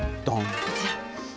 こちら。